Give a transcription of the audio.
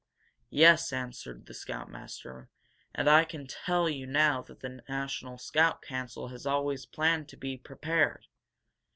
"Yes," answered the scoutmaster. "And I can tell you now that the National Scout Council has always planned to 'Be Prepared!'